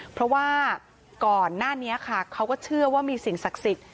เพราะว่าก่อนหน้านี้ค่ะเขาก็เชื่อว่ามีสิ่งศักดิ์สิทธิ